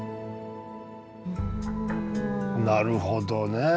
なるほどね。